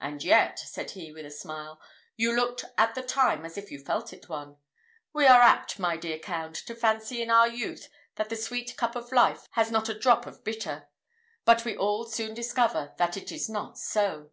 "And yet," said he, with a smile, "you looked at the time as if you felt it one. We are apt, my dear Count, to fancy in our youth that the sweet cup of life has not a drop of bitter; but we all soon discover that it is not so.